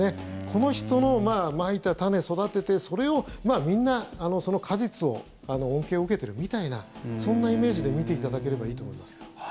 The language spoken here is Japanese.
この人のまいた種、育ててそれをみんな、その果実を恩恵を受けているみたいなそんなイメージで見ていただければいいと思います。